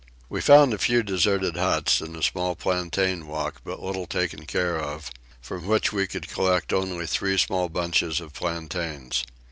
We found a few deserted huts and a small plantain walk but little taken care of, from which we could only collect three small bunches of plantains.